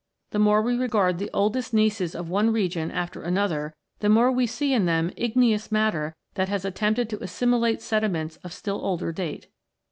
The more we regard the oldest gneisses of one region after another, the more we see in them igneous matter that has attempted to assimilate sediments of still older date.